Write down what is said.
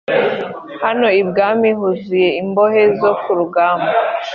hano ibwami huzuye imbohe zo kurugamba